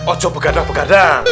oh coba begadang begadang